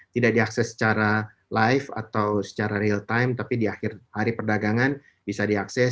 tidak diakses secara live atau secara real time tapi di akhir hari perdagangan bisa diakses